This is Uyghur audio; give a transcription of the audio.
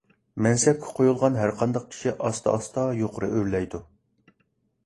مەنسەپكە قويۇلغان ھەرقانداق كىشى ئاستا - ئاستا يۇقىرى ئۆرلەيدۇ.